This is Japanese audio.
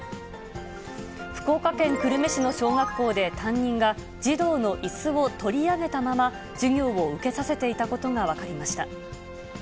福岡県久留米市の小学校で担任が児童のいすを取り上げたまま授業を受けさせていたことが分かりました。